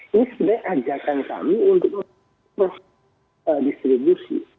ini sebenarnya ajakan kami untuk proses distribusi